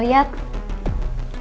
walaupun gue gak bisa liat